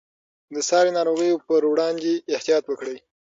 د ساري ناروغیو پر وړاندې احتیاط وکړئ.